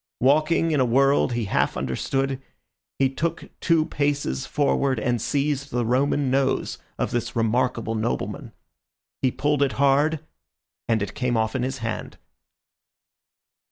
Walking in a world he half understood, he took two paces forward and seized the Roman nose of this remarkable nobleman. He pulled it hard, and it came off in his hand.